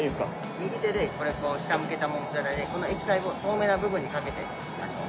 右手でこれこう下向けてこの液体を透明な部分にかけていきましょう。